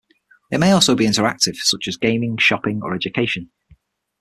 It may also be interactive, such as gaming, shopping, or education.